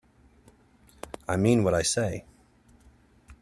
I mean what I say.